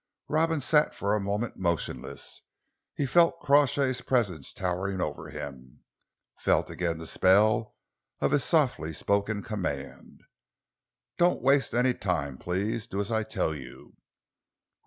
Robins sat for a moment motionless. He felt Crawshay's presence towering over him, felt again the spell of his softly spoken command. "Don't waste any time, please. Do as I tell you."